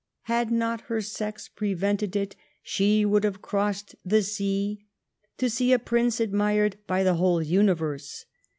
Had not her sex prevented it, she would have crossed the sea to see a prince admired by the whole universe.